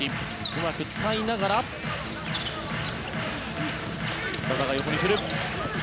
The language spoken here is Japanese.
うまく使いながら馬場が横に振る。